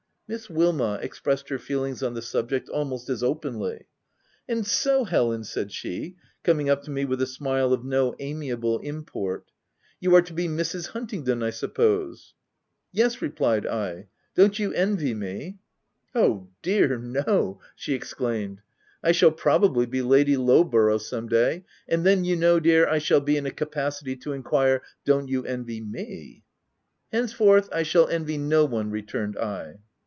Miss Wilmot expressed her feelings on the subject, almost as openly. " And so, Helen," said she, coming up to me with a smile of no amiable import, "you are to be Mrs. Huntingdon, I suppose?" " Yes/ 1 replied I. " Don't you envy me ?" OP WILDFELL HALL. 23 " Oh, dear, no !" she exclaimed. " I shall probably be Lady Lowborough some day, and then you know, dear, I shall be in a capacity to enquire, * Don't you envy me ft 9 " Henceforth, I shall envy no one," re turned I.